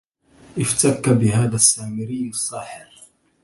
افتك بهذا السامري الساحر